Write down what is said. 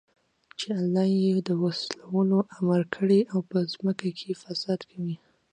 چې الله ئې د وصلَولو امر كړى او په زمكه كي فساد كوي